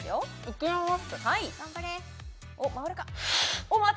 いきまーす